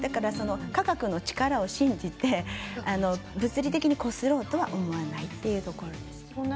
科学の力を信じて物理的にこすろうとは思わないというところです。